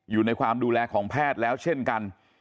อยู่ในความดูแลของแพทย์แล้วเช่นกัน